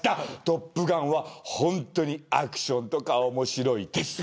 トップガンは、本当にアクションとか面白いです。